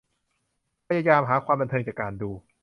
พยายามหาความบันเทิงจากการดู